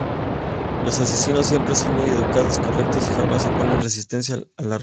Los asesinos siempre son muy educados, correctos y jamás oponen resistencia al arresto.